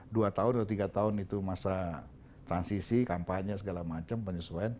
dua tahun atau tiga tahun itu masa transisi kampanye segala macam penyesuaian